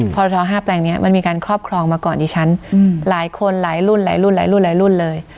ทรท๕แปลงนี้มันมีการครอบครองมาก่อนดิฉันหลายคนหลายรุ่นหลายรุ่นหลายรุ่นหลายรุ่นเลย